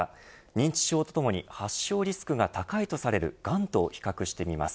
認知症とともに発症リスクが高いとされるがんと比較してみます。